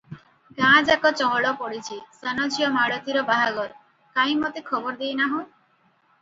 ଗାଁ ଯାକ ଚହଳ ପଡିଛି - ସାନ ଝିଅ ମାଳତୀର ବାହାଘର - କାହିଁ ମତେ ଖବର ଦେଇ ନାହଁ?